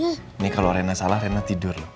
ini kalau rena salah rena tidur